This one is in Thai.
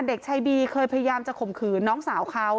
เด็กชายบีเคยพยายามจะข่มขืนน้องสาวเขา